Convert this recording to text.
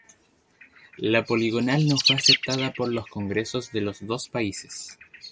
La poligonal no fue aceptada por los Congresos de los dos países.